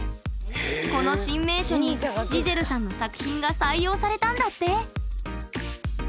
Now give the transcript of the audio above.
この新名所にジゼルさんの作品が採用されたんだって！